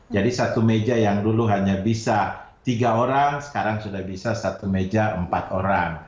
jadi satu meja yang dulu hanya bisa tiga orang sekarang sudah bisa satu meja empat orang